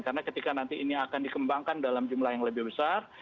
karena ketika nanti ini akan dikembangkan dalam jumlah yang lebih besar